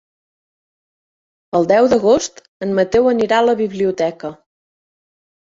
El deu d'agost en Mateu anirà a la biblioteca.